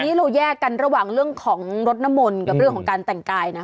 อันนี้เราแยกกันระหว่างเรื่องของรถน้ำมนต์กับเรื่องของการแต่งกายนะ